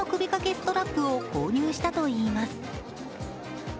ストラップを購入したといいます。